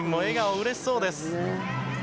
うれしそうです。